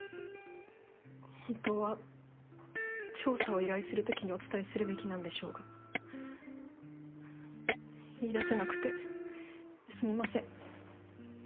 本当は調査を依頼するときにお伝えするべきなんでしょうが言いだせなくてすみません。